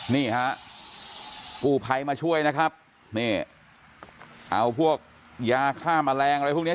นี่ฮะกู้ภัยมาช่วยนะครับนี่เอาพวกยาฆ่าแมลงอะไรพวกเนี้ย